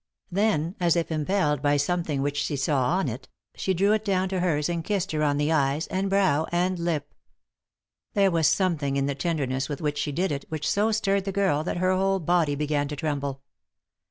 Then, as if impelled by some thing which she saw on it, she drew it down to hers and kissed her on the eyes, and brow, and lip. There was something in the, tenderness with which she did it which so stirred the girl that her whole body began to tremble.